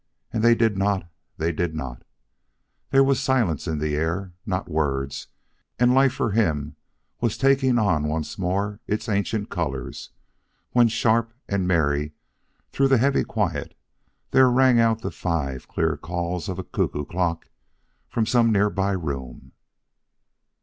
And they did not; they did not. There was silence in the air, not words; and life for him was taking on once more its ancient colors, when sharp and merry through the heavy quiet there rang out the five clear calls of a cuckoo clock from some near by room.